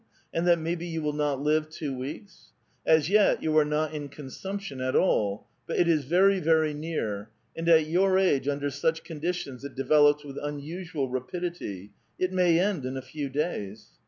and that maybe you will not live two weeks ? As yet you are not in consumption at all, but it is very, very near, and at your age under such conditions it develops with unusual rapidity ; it may end in a few days."